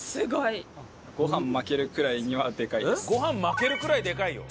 「ご飯巻けるくらいでかい」？